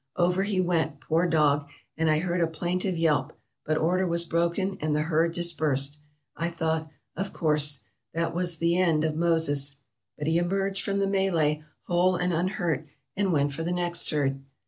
Over he went, poor dog, and I heard a plaintive yelp ; but order was broken, and the herd dispersed. I thought, of course, that there was an end of 'Moses,' but he emerged from the melee whole and unhurt, and went for the next herd.